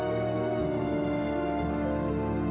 seseorang sih paham kemilauan